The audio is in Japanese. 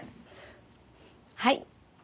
はい。